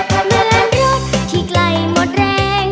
เหมือนรถที่ไกลหมดแรง